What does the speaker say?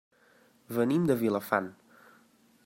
Venim de Vilafant.